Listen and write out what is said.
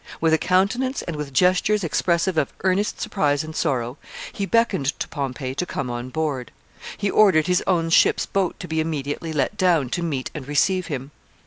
With a countenance and with gestures expressive of earnest surprise and sorrow, he beckoned to Pompey to come on board. He ordered his own ship's boat to be immediately let down to meet and receive him.